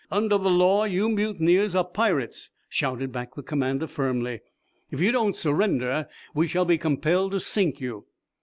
"Under the law you mutineers are pirates," shouted back the commander, firmly. "If you don't surrender we shall be compelled to sink you."